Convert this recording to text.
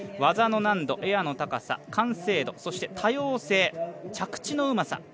技の難度、エアの高さ、完成度そして多様性、着地のうまさ